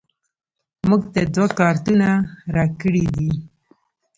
موږ ته دوه کارتونه راکړیدي